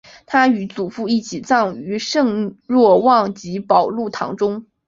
他与祖父一起葬于圣若望及保禄堂中。